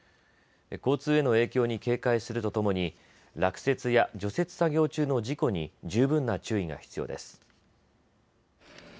交通への影響に警戒するとともに落雪や除雪作業中の事故に十分な注意が必要です。